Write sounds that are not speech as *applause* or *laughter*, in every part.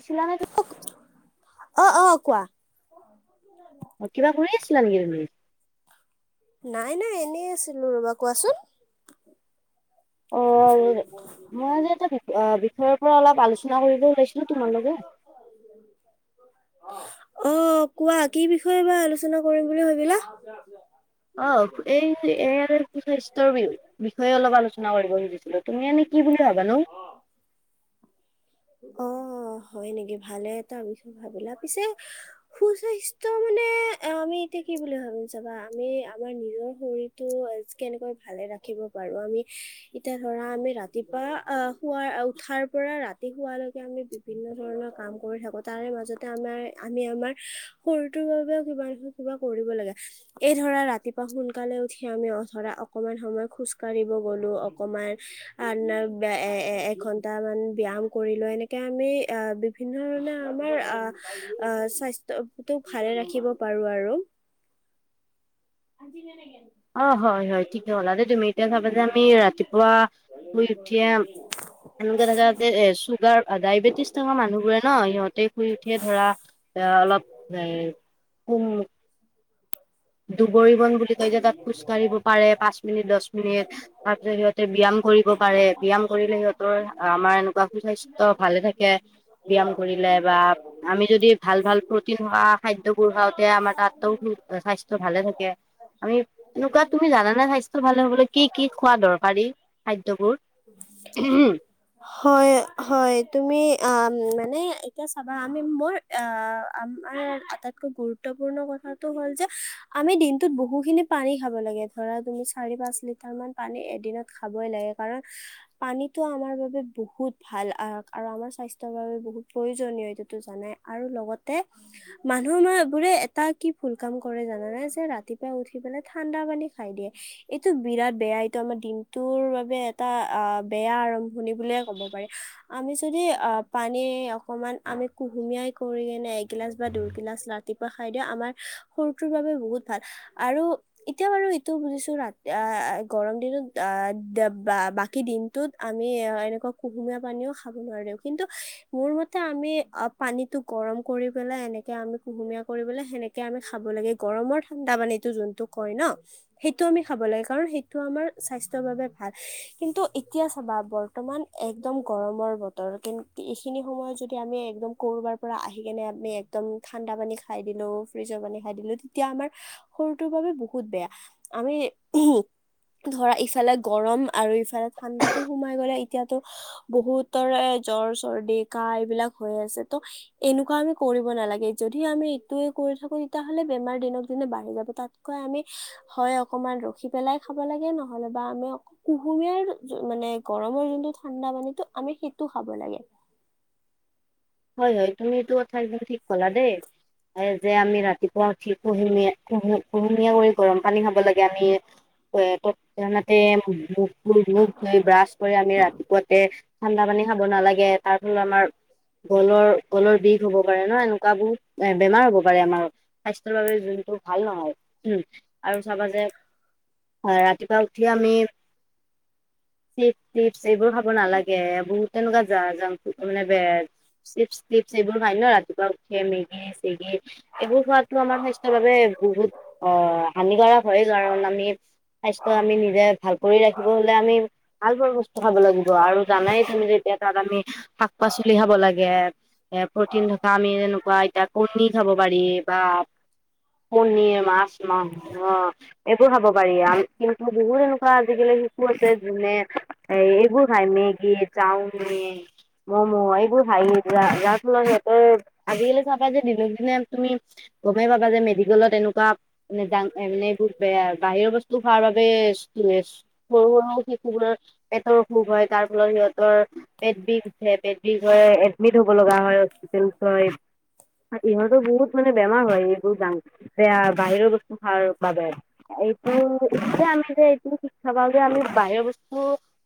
*unintelligible* *unintelligible* অ-অ! কোৱা? অ! কিবা কৰি আছিলা নেকি তুমি? নাই-নাই এনেই আছিলোঁ ৰবা। কোৱা চোন? অ! মই আজি এটা বি বিষয়ৰ পৰা অলপ আলোচনা কৰিব ওলাইছিলোঁ তোমাৰ লগত। *unintelligible* অ! কোৱা কি বিষয়ে বা আলোচনা কৰিম বুলি ভাবিলা? অ! এই যে *unintelligible* সু স্বাস্থ্যৰ বি বিষয়ে অলপ আলোচনা কৰিব খুজিছিলোঁ, তুমি এনে কি বুলি ভাবানো? অঁ! হয় নেকি ভালে তাৰপিছত ভাবিলা পিছে সুস্বাস্থ্য মানে আমি এতিয়া কি বুলি ভাবিম চাবা আমি আমাৰ নিজৰ শৰীৰ টো কেনেকৈ ভালে ৰাখিব পাৰোঁ আমি। এতিয়া ধৰা আমি ৰাতিপুৱা আহ শুৱাৰ উঠাৰ পৰা ৰাত ৰাতি হোৱালৈকে আমি বিভিন্ন ধৰণৰ কাম কৰি থাকো তাৰে মাজতে আমাৰ আমি আমাৰ শৰীৰটোৰ বাবেও কিবা নহয় কিবা কৰিব লাগে। এই ধৰা ৰাতিপুৱা সোনকালে উঠি আমি ধৰা অকমান সময় খোজকাঢ়িব গলোঁ অকমান *unintelligible* এ-এ এঘন্টা মান ব্যায়াম কৰি লৈ এনেকে আমি আহ বিভিন্ন ধৰণে আমাৰ আহ স্বাস্থ তো ভালে ৰাখিব পাৰোঁ আৰু। আজি *unintelligible* অ! হয়-হয় ঠিকে ক'লা দেই। তুমি এতিয়া চাবা যে আমি ৰাতিপুৱা শুই উঠিয়ে এনেকে থাকা যে চুগাৰ ডায়েবেটিছ থকা মানুহবোৰে ন সিহঁতে শুই উঠিয়ে ধৰা এ অলপ *unintelligible* দুবুৰি বন বুলি কয় যে তাত খোজ কঢ়িব পাৰে পাঁচ মিনিট দহ মিনিট তাৰ জৰিয়ত তে ব্যায়াম কৰিব পাৰে, ব্যায়াম কৰিলে সিহঁতৰ আমাৰ এনেকুৱা সুস্বাস্থ্য ভালে থাকে। ব্যায়াম কৰিলে বা আমি যদি ভাল ভাল প্ৰটিন হোৱা খাদ্যবোৰ খাওঁ তে আমাৰ তাত ত' স্বাস্থ্য ভালে থাকে। আমি এনেকুৱা তুমি জানানে স্বাস্থ্য ভালে হ'বলৈ কি কি খোৱা দৰকাৰী খাদ্যবোৰ? *inaudible* হয় হয়, তুমি আ, মানে এতিয়া চাবা আমি, মোৰ আমাৰ আটাইতকৈ গুৰুত্বপূৰ্ণ কথাটো হ'ল যে আমি দিনটোত বহুখিনি পানী খাব লাগে ধৰা তুমি চাৰি পাঁচ লিটাৰ মান। পানী এদিনত খাবই লাগে কাৰণ পানীটো আমাৰ বাবে বহুত ভাল আৰু আমাৰ স্বাস্থ্যৰ বাবে বহুত প্ৰয়োজনীয় এইটোতো জানাই। আৰু লগতে মানুহবোৰে এটা কি ভুল কাম কৰে জানানে যে ৰাতিপুৱাই উঠি পেলাই ঠাণ্ডা পানী খাই দিয়ে। এইটো বিৰাট বেয়া, এইটো আমাৰ দিনটোৰ বাবে এটা আহ, বেয়া আৰম্ভণি বুলিয়ে ক'ব পাৰি। আমি যদি আ, পানী অকনমান আমি কুহুমিয়াই কৰি কিনে এগিলাচ বা দুইগিলাচ লা তিপুৱা খাই দিওঁ আমাৰ সৰুটোৰ বাবে বহুত ভাল আৰু এতিয়া বাৰু এইটো বুজিছোঁ ৰাতি আ, গৰম দিনত আহ, ডা বা-বাকী দিন টোত আমি এ, এনেকুৱা কুহুমীয়া পানীও খাব নোৱাৰিও কিন্তু মোৰ মতে আমি আ পানীটো গৰম কৰি পেলাই, এনেকে আমি কুহুমীয়া কৰি পেলাই সেনেকে আমি খাব লাগে, গৰমৰ ঠাণ্ডা পানীটো যোনটো কয় ন'। সেইটো আমি খাব লাগে কাৰণ সেইটো আমাৰ স্বাস্থ্যৰ বাবে ভাল কিন্তু এতিয়া চাবা বৰ বৰ্তমান একদম গৰমৰ বতৰ কিন্ত এইখিনি সময়ত যদি আমি একদম ক'ৰবাৰ পৰা আহি কেনে আমি এক দম ঠাণ্ডা পানী খাই দিলোঁ, ফ্ৰিজৰ পানী খাই দিলোঁ তেতিয়া আমাৰ সৰুটোৰ বাবে বহুত বেয়া, আমি ধৰা ইফালে গৰম আৰু ইফালে ঠাণ্ডাটো সোমাই গ'লে এতিয়াতো বহুতৰে জ্বৰ চৰ্দি, কাহ এইবিলাক হৈ আছে ত' এনেকুৱা আমি কৰিব নালাগে, যদি আমি এইটোৱে কৰি থাকো তেতিয়াহ'লে বেমাৰ দিনক দিনে বাঢ়ি যাব তাতকৈ আমি হয় অকমান ৰখি পেলাই খাব লাগে নহ'লে বা আমি কুহুমীয়াৰ মানে গৰমৰ মানে যোনটো ঠাণ্ডা পানীটো আমি সেইটো খাব লাগে। হয় হয়, তুমি এইটো কথা একদম ঠিক ক'লা দে। আৰু যে আমি ৰাতিপুৱা উঠি কুহুমীয়া কুহু কুহুমীয়া কৰি গৰম পানী খাব লাগে আমি। *unintelligible* মুখ ধুই ব্ৰাছ কৰি আমি ৰাতিপুৱাতে ঠাণ্ডা পানী খাব নালাগে তাৰ ফলত আমাৰ গলৰ গলৰ বিষ হ'ব পাৰে ন' এনেকুৱা বহুত বেমাৰ হ'ব পাৰে আমাৰ। স্বাস্থ্যৰ বাবে যোনটো ভাল নহয় হু, আৰু চাবা যে হয়, ৰাতিপুৱা উঠি আমি চিপ টিপছ এইবোৰ খাব নালাগে, বহুত এনেকুৱা জা-জাংক ফুড মানে বেয় চিপ টিপছ এইবোৰ খাই ন' ৰাতিপুৱা উঠিয়েই মেগী চেগী এইবোৰ খোৱাটো আমাৰ স্বাস্থ্যৰ কাৰণে বহুতেই হানিকাৰক হয় কাৰণ আমি স্বাস্থ্য আমি নিজে ভাল কৰি ৰাখিব হ'লে আমি ভাল ভাল বস্তু খাব লাগিব আৰু জানােই তুমি যেতিয়াই তাত আমি শাক পাচলি খাব লা গে এ, প্ৰ'টিন থকা আমি এনেকুৱা এতিয়া কণী খাব পাৰি বা কণী, মাছ, মাংস। এইবোৰ খাব পাৰি আমি কিন্তু বহুত এনেকুৱা আজিকালি শিশু আছে যুনে এইবোৰ মেগি, চাওমিন, ম'মো এইবিলাক হাই যাৰ ফলত সিহঁতৰ আজিকালি চাব পা যে দিনক দিনে তুমি গমেই পাবা যে মেডিকেলত এনেকুৱা! এনে জাংক, এনে এইবোৰ জাংক বেয়া বাহিৰৰ বস্তু খোৱাৰ বাবে। কি হস, *unintelligible* পেটৰ অসুখ হয়, তাৰ ফলত সিহঁতৰ পেট বিষ উঠে পেট বিষ। হ এডমিট হ'ব লগা হয় হস্পিটেলত। এইবোৰৰ বহুত মানে বেমাৰ হয়। এইবোৰ জাংক এয়া বাহিৰৰ বস্তু খোৱাৰ বাবে। এইটোৱে এতিয়া আমি যে শিক্ষা পাওঁ যে হ'লে আমি বাহিৰৰ বস্তু!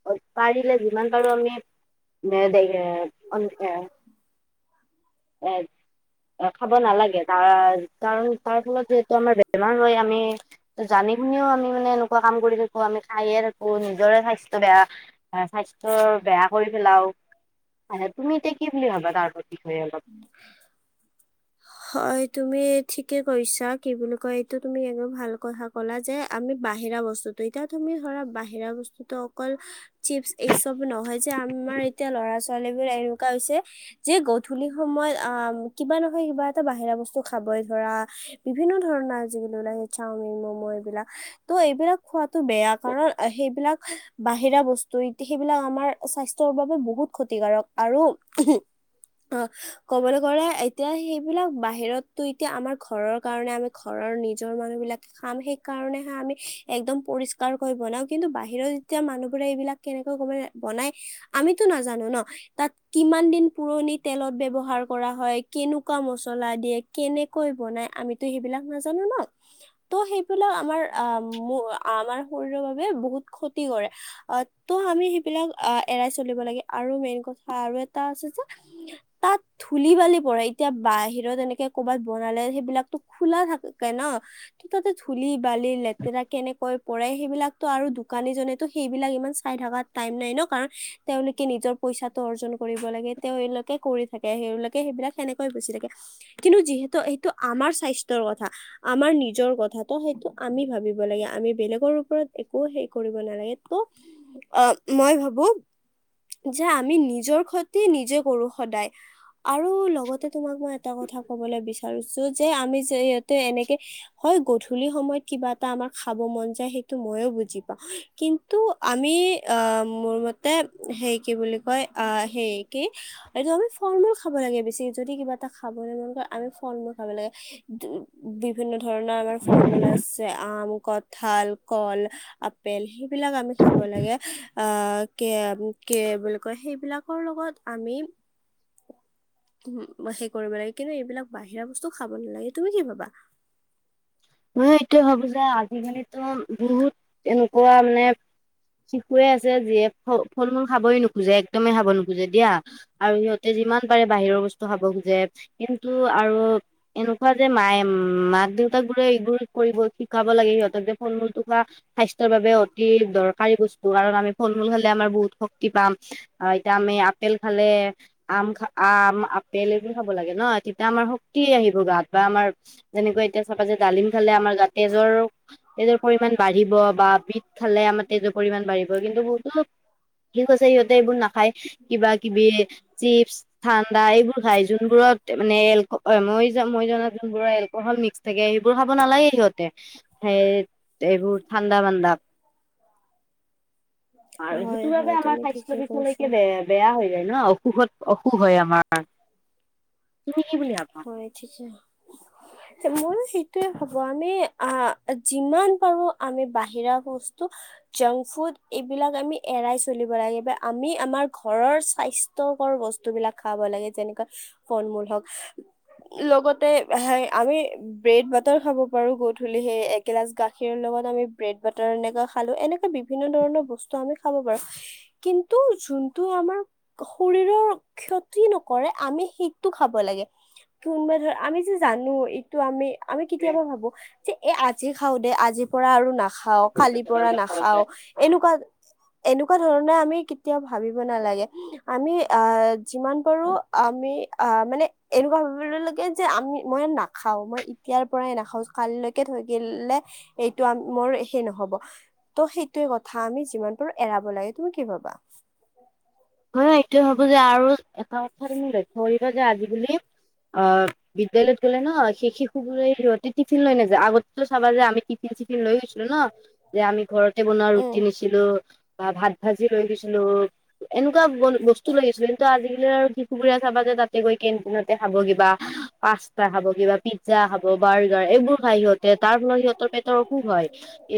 অ', পাৰিলে যিমান পাৰোঁ আমি দে অম এয়া। এ এ খাব নালাগে, তাৰ ফলত যিহেতু আমাৰ বেমাৰ হয়, আমি! জানি শুনিও আমি মানে এনেকুৱা কাম কৰি থাকোঁ আমি খাইয়ে থাকোঁ। নিজৰেই স্বাস্থ্য বেয়া, স্বাস্থ্য বেয়া কৰি পেলাওঁ। মানে তুমি এতিয়া কি বুলি ভাবা তাৰ প্ৰতিকে অলপ। *inaudible* হয় তুমি ঠিকেই কৈছা, কি বুলি কওঁ এইটো তুমি এনেও ভাল কথা ক'লা যে! আমি বাহিৰা বস্তুটো, এতিয়া তুমি ধৰা বাহিৰা বস্তুটো অকল! চিপছ এইচব নহয় যে আমাৰ এতিয়া ল'ৰা ছোৱালীবোৰ যে এনেকুৱা হৈছে! যে গধূলি সময়ত উম কিবা নহয় কিবা! এতিয়া বাহিৰা বস্তু খাবই ধৰা, বিভিন্ন ধৰণৰ যিকোনো চাওমিন ম'ম' এইবিলাক। ত' এইবিলাক খোৱাটো বেয়া কাৰণ সেইবিলাক বাহিৰা বস্তু এতি সেইবিলাক আমাৰ স্বাস্থ্যৰ বাবে বহুত ক্ষতিকাৰক। আৰু! অ', ক'বলৈ গ'লে এতিয়া সেই! এইবিলাক বাহিৰতটো এতিয়া আমাৰ ঘৰৰ কাৰণে আমি ঘৰৰ নিজৰ মানুহবিলাক আমি হাৰিকাৰণে আমি একদম পৰিষ্কাৰ কৰি বনাওঁ কিন্তু বাহিৰত যেতিয়া মানুহবোৰে এইবিলাক! কেনেকৈ কৰি বনাই। আমি তো নাজানোঁ ন তাত কিমান দিন পুৰণি তেলত ব্যৱহাৰ কৰা হয়, কেনেকৈ কেনেকুৱা মছলা দিয়ে, কেনেকৈ বনাই আমি তো সেইবিলাক নাজানোঁ ন। তো সেইবিলাকে আমাৰ উম মোৰ আমাৰ শৰীৰৰ বাবে বহুত ক্ষতি কৰে। অ', তো আমি সেইবিলাক এৰাই চলিব লাগে আৰু মেইন কথা আৰু এটা আছে যে! তাত ধূলি বালি পৰে। এতিয়া বাহিৰত কৰ'বাত বনালে, সেইবিলাক টো খোলা থাকে ন? কি তাতে বালিৰ লেতেৰা কেনেকৈ পৰে। সেইবিলাটো আৰু দোকানী জনেতো সেইবিলাক ইমান চাই থকাত টাইম নাই ন। কাৰণ তেওঁলোকে নিজৰ পইচাটো অৰ্জন কৰিব লাগে, তেওঁলোকে কৰি থাকে, তেওঁলোকে সেইবিলাক সেনেকে! বেছি থাকে। যিহেতু এইটো স্বাস্থ্যৰ কথা। আমাৰ নিজৰ কথাাতটো সেইটো আমি ভাবিব লাগে, আমি বেলেগৰ ওপৰত একো সেই কৰিব নালাগে। অ মই ভাবো! যে আমি নিজৰ ক্ষতি নিজে কৰো সদায়, আৰু লগতে! তোমাক মই এটা কথা ক'বলৈ বিচাৰিছো যে আমি যে সিহঁতে এনেকে হয় গধূলি সময়ত কিবা এটা আমাৰ খাব মন যায়, সেইটো ময়ো বুজি পাওঁ। কিন্তু আমি আহ মোৰ মতে সেই কি বুলি কয় আহ সেই কি! এইটো আমি ফল মূল খাব লাগে বেছি যদি কিবা এটা খাবলৈ মন কৰে আমি ফল মূল খাব লাগে। তো বিভিন্ন ধৰণৰ আমাৰ ফল মূল আছে আম, কঁঠাল, কল আপেল সেইবিলাক আমি খাব লাগে, আহ কে, কে কি বুলি কয় সেইবিলাকৰ লগত আমি উ সেই কৰিব লাগে কিন্তু এইবিলাক বাহিৰা বস্তু খাব নালাগে তুমি কি ভাবা? মই এইটোয়ে ভাবো যে আজিকালিতো বহুত এনেকুৱা মানে শিশুৱে আছে যিয়ে ফ ফল-মূল খাবই নোখোজে একদমেই খাব নোখোজে দিয়া- আৰু সিহঁতে যিমান পাৰে বাহিৰৰ বস্তু খাব খোজে, কিন্তু আৰু এনেকুৱা যে মায়ে মাক-দেউতাক লৈ এইবোৰ কৰিব শিকাব লাগে সিহঁতক দেখোন কিবা- স্বাস্থ্যৰ বাবে অতি দৰকাৰী বস্তু কাৰণ আমি ফল-মূল খালে আমাৰ বহুত শক্তি পাম, আৰু এতিয়া আমি আপেল খালে আম খা আম, আপেল এইবোৰ খাব লাগে ন, তেতিয়া আমাৰ শক্তি আহিব গাত বা আমাৰ যেনেকে এতিয়া চাবা যে ডালিম খালে আমাৰ গা তেজৰ তেজৰ পৰিমাণ বাঢ়িব বা বিত খালে আমাৰ তেজৰ পৰিমাণ বাঢ়িব কিন্তু *unintelligible* সি ক‌ইছে সিহঁতে এইবোৰ নাখায়, কিবা-কিবি চিপছ ঠাণ্ডা এইবোৰ খাই যোনবোৰত মানে এল মই জা মই জানা যোনবোৰ এলকহল মিক্স থাকে সেইবোৰ খাব নালাগে সিহঁতে, সে এইবোৰ ঠাণ্ডা-বান্দা। আৰু হয় সেইটো ভাবে হয় আমাৰ তুমি স্বাস্থ্য ঠিকে কৈছা বিশলৈকে বেঢ়ে বেয়া হৈ যায় ন' অসুখত অসুখ হয় আমাৰ। তুমি কি বুলি ভাবা? হয় ঠিকেই। *inaudible* ময়ো সেইটোয়ে ভাবো- আমি আহ যিমান পাৰো আমি বাহিৰা বস্তু জাংক ফুড এইবিলাক আমি এৰাই চলিব লাগে বা আমি আমাৰ ঘৰৰ স্বাস্থ- তৰ্কৰ বস্তুবিলাক খাব লাগে যেনেকৈ- ফল-মূল হওঁক, লগতে হেই আমি ব্ৰেড বাটাৰ খাব পাৰো গধূলি সেই এগিলাচ গাখীৰ লগত আমি ব্ৰেড বাটাৰ এনেকা খালো এনেকা বি- বিভিন্ন ধৰণৰ বস্তু আমি খাব পাৰো, কিন্তু যোনটো আমাৰ শৰীৰৰ ক্ষতি নকৰে আমি সেইটো খাব লাগে। কিউম্বা ধৰ আমি যে জানো এইটো আমি, আমি কেতিয়াবা ভাবো যে এ আজি খাও দে, আজিৰ পৰা আৰু নাখাও, কালিৰ পৰা নাখাও, এনেকুৱা এনেকুৱা ধৰণে আমি কেতিয়াও ভাবিব নালাগে। আমি অ যিমান পাৰো আমি অ মানে এনেকুৱা যে আমি, মই নাখাওঁ মই ইতিয়াৰ পৰাই নাখাওঁ কালিলৈকে থৈ দিলে এইটো আন মোৰ সেই নহব। ত' সেইটোৱে কথা আমি যিমান পাৰো এৰাব লাগে, তুমি কি ভাবা? মই এইটোয়ে ভবো যে আৰু এটা কথা তুমি লক্ষ্যনীয় যে আজি-কালি- অ্' বিদ্যালয়ত গ'লে ন' সেই শিশুবোৰে সিহঁতি টিফিন লৈ নাযায় আগতেটো চাবা যে আমি টিফিন-চিফিন লৈ গৈছিলো ন' যে আমি ঘৰতে বনোৱা উম ৰুটি নিছিলো, বা ভাত ভাজি লৈ গৈছিলো। এনেকুৱা বস্তু লৈ গৈছিলো কিন্তু আজি কুলে আৰু শিশুবোৰে চাবা যে তাতে গৈ কেণ্টিনতে খাব কিবা পাষ্টা খাব, কিবা পি- জা খাব, বাৰ্গাৰ, এইবোৰ খাই সিহঁতে, তাৰ ফলত সিহতৰ পেটৰ অসুখ হয়,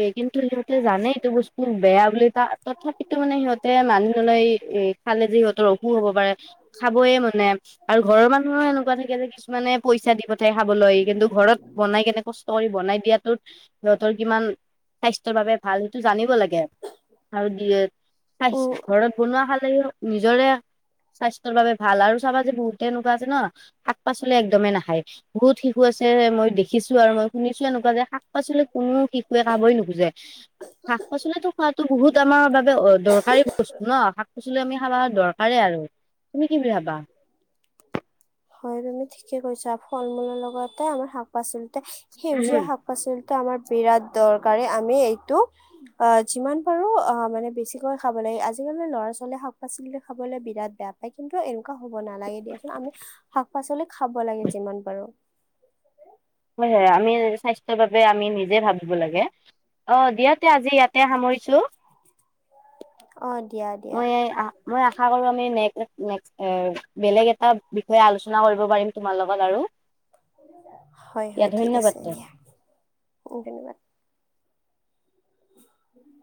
এই কিন্তু সিহঁতে জানে এইটো বস্তু বেয়া বুলি তা তথাপিতো মানে সিহঁতে মানি নলয় এই খালে যে সিহতৰ অসুখ হ'ব পাৰে খাবয়ে মানে, আৰু ঘৰৰ মানুহৰো এনেকুৱা থাকে যে কিছুমানে পইচা দি পথ- ঠাই খাবলৈ কিন্তু ঘৰত বনাই কেনে কষ্ট কৰি বনাই দিয়াতো সিহতৰ কিমান স্বাস্থ্যৰ বাবে ভাল, সেইটো জানিব লাগে। আৰু দিয়ে স্থা উম, ঘৰত বনোৱা খালে নিজৰে। স্বাস্থ্যৰ বাবে ভাল আৰু চাবা যে বহুতে এনেকুৱা আছে ন। শাক পাচলি একদমেই নাখায় বহুত শিশু আছে মই দেখিছো আৰু মই শুনিছোঁ এনেকুৱা যে শাক-পাচলি। শাক পাচলি কোনো শিশুৱে খাবই নুখোজে। শাক পাচলিতো খোৱাতো বহুত আমাৰ বাবে অ' দৰকাৰী বস্তু। অ' শাক পাচলি আমি খাবা দৰকাৰে আৰু তুমি কি বুলি ভাবা। হয় তুমি ঠিকে কৈছা আৰু ফল মূলৰ লগতে আমাৰ শাক। শাক পাচলি সেউজীয়া ভাবা শাক পাচলি আমাৰ বিৰাট দৰকাৰী আমি এইটো। অ' যিমান পাৰো অ' মানে বেছিকৈ খাব লাগে, আজিকালি ল'ৰা ছোৱালীয়ে শাক পাচলি খাবলৈ বিৰাট বেয়া পায় কি? কিন্তু এনেকুৱা হ'ব নালাগে দিয়া। আমি শাক। শাক পাচলি খাব লাগে যিমান পাৰো। হয় হয় আমি স্বাস্থ্যৰ বাবে আমি নিজে ভাবিব লাগে। অ' দিয়া দিয়া আজি ইয়াতে সামৰিছোঁ। অ' দিয়া দিয়া মই মই আশা কৰো আমি নক নেক। বেলেগ এটা বিষয়ে আলোচনা কৰিব পাৰিম তোমাৰ লগত আৰু। হয়, দিয়া হয়, ঠিক আছে ধন্যবাদ দিয়া ধন্যবাদ। উম।